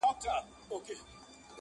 چي يې غړي تښتول د رستمانو-